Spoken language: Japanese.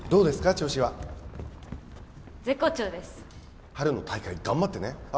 調子は絶好調です春の大会頑張ってねああ